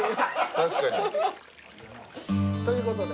確かに。という事で。